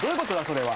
それは。